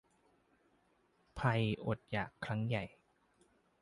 ภัยอดอยาก ครั้งใหญ่